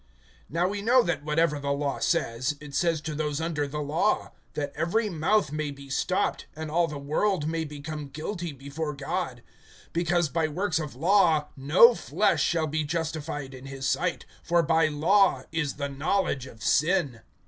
(19)Now we know that whatever the law says, it says to those under the law; that every mouth may be stopped, and all the world may become guilty before God. (20)Because by works of law no flesh shall be justified in his sight; for by law is the knowledge of sin.